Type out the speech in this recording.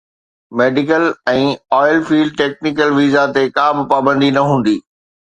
medical ۽ oil field technical visa تي ڪا به پابندي نه هوندي